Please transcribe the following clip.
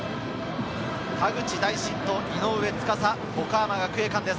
田口大慎と井上斗嵩、岡山学芸館です。